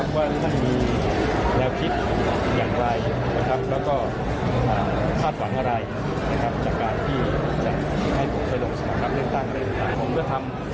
ครั้งที่แล้วต้องลาออกมาเพื่อรักษาทั้งคู่